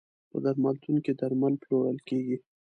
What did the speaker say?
په درملتون کې درمل پلورل کیږی.